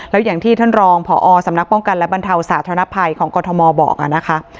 แล้วอย่างที่ท่านรองพอสำนักป้องกันและบรรเทาสาธารณภัยของกรทมบอกนะคะ